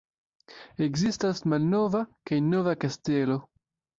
Ekzistas Malnova kaj Nova kastelo.